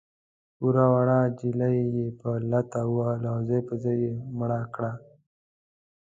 یوه وړه نجلۍ یې په لغته ووهله او ځای پر ځای یې مړه کړه.